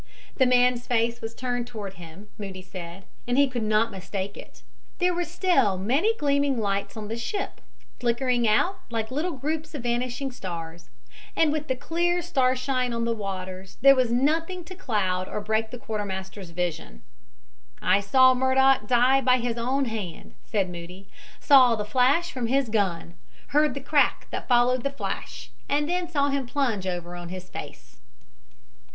The man's face was turned toward him, Moody said, and he could not mistake it. There were still many gleaming lights on the ship, flickering out like little groups of vanishing stars, and with the clear starshine on the waters there was nothing to cloud or break the quartermaster's vision. "I saw Murdock die by his own hand," said Moody, "saw the flash from his gun, heard the crack that followed the flash and then saw him plunge over on his face."